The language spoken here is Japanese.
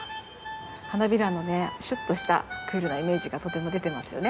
花びらのねシュッとしたクールなイメージがとても出てますよね。